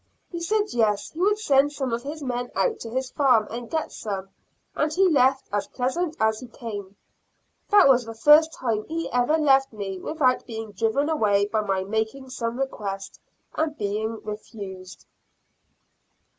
He said yes, he would send some of his men out to his farm and get some, and he left as pleasant as he came. That was the first time he ever left me without being driven away by my making some request, and being refused.